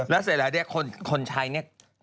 แล้วเสร็จแล้วเนี่ยคนใช้เนี่ย